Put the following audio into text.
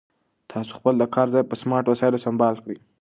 تاسو خپل د کار ځای په سمارټ وسایلو سمبال کړئ.